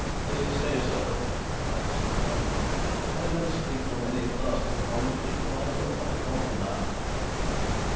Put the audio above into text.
'They say so,' replied Mr. Plummey, 'but I don't speak from any personal knowledge, for I know nothing of the man.'